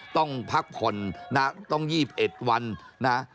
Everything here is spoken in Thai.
ต้องพักผ่นนะต้องยีบเอ็ดวันนะ